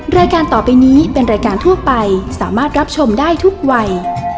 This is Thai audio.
รายการต่อไปนี้เป็นรายการทั่วไปสามารถรับชมได้ทุกวัย